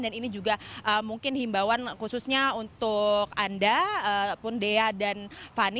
dan ini juga mungkin himbawan khususnya untuk anda pundea dan fani